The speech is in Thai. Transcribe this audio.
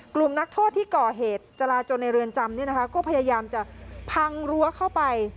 นักโทษที่ก่อเหตุจราจนในเรือนจำก็พยายามจะพังรั้วเข้าไป